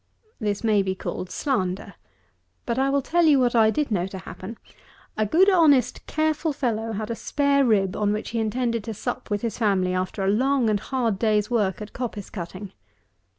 This may be called slander; but I will tell you what I did know to happen. A good honest careful fellow had a spare rib, on which he intended to sup with his family after a long and hard day's work at coppice cutting.